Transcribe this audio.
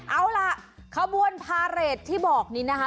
เอาล่ะขบวนพาเรทที่บอกนี้นะคะ